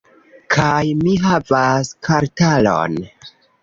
Kaj mi havas kartaron